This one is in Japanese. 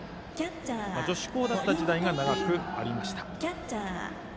女子校だった時代が長くありました。